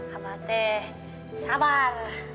abah teh sabar